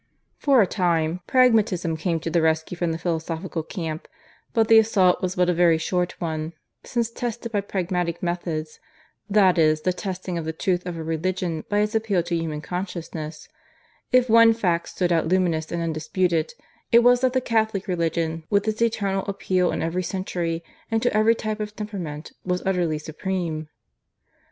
"For a time, Pragmatism came to the rescue from the philosophical camp; but the assault was but a very short one; since, tested by Pragmatic methods (that is, the testing of the truth of a religion by its appeal to human consciousness), if one fact stood out luminous and undisputed, it was that the Catholic Religion, with its eternal appeal in every century and to every type of temperament, was utterly supreme.